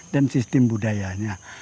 dan sistem budayanya